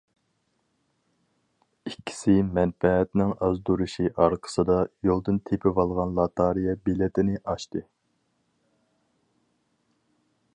ئىككىسى مەنپەئەتنىڭ ئازدۇرۇشى ئارقىسىدا، يولدىن تېپىۋالغان لاتارىيە بېلىتىنى ئاچتى.